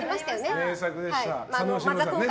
名作でした。